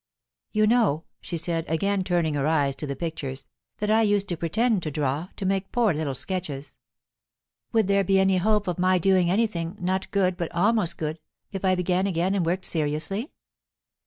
"You know," she said, again turning her eyes to the pictures, "that I used to pretend to draw, to make poor little sketches. Would there be any hope of my doing anything, not good, but almost good, if I began again and worked seriously?"